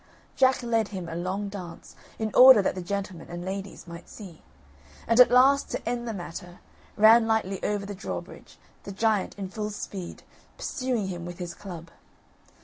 Jack led him a long dance, in order that the gentlemen and ladies might see; and at last to end the matter, ran lightly over the drawbridge, the giant, in full speed, pursuing him with his club.